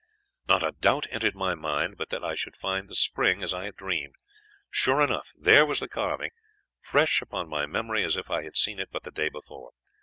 "Not a doubt entered my mind but that I should find the spring as I had dreamed. Sure enough there was the carving, fresh upon my memory as if I had seen it but the day before.